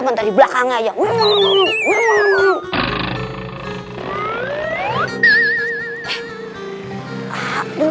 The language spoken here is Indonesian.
bentar di belakang aja